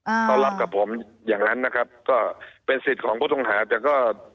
ต้อนรับกับผมอย่างนั้นนะครับก็เป็นสิทธิ์ของผู้ต้องหาแต่ก็